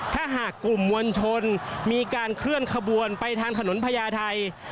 ถ้าหากกลุ่มมวลชนมีการเคลื่อนขบวนไปทางถนนพญาไทย